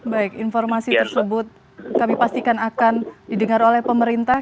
baik informasi tersebut kami pastikan akan didengar oleh pemerintah